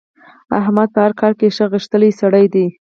احمد په هر کار کې ښه غښتلی سړی دی.